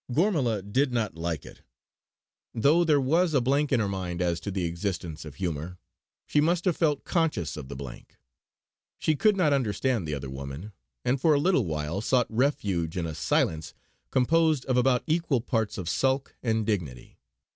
Gormala did not like it. Though there was a blank in her mind as to the existence of humour, she must have felt conscious of the blank. She could not understand the other woman; and for a little while sought refuge in a silence composed of about equal parts of sulk and dignity.